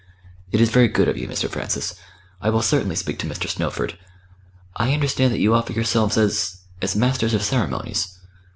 "It is very good of you, Mr. Francis. I will certainly speak to Mr. Snowford. I understand that you offer yourselves as as Masters of Ceremonies